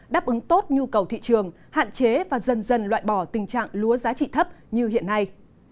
đáp ứng tốt nhu cầu thị trường hạn chế và dần dần loại bỏ tình trạng lúa giá trị thấp như hiện nay